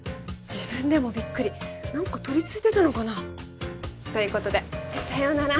自分でもびっくり何か取りついてたのかな？ということでさようなら